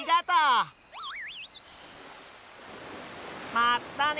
まったね！